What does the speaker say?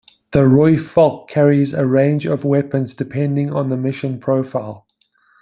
The Rooivalk carries a range of weapons depending on the mission profile.